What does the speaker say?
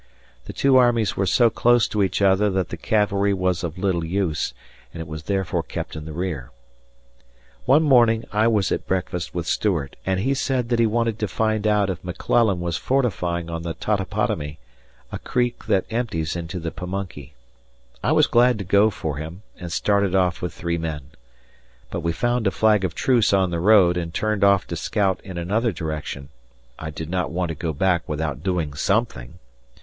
The two armies were so close to each other that the cavalry was of little use, and it was therefore kept in the rear. One morning I was at breakfast with Stuart, and he said that he wanted to find out if McClellan was fortifying on the Totopotomy, a creek that empties into the Pamunkey. I was glad to go for him and started off with three men. But we found a flag of truce on the road and turned off to scout in another direction I did not want to go back without doing something.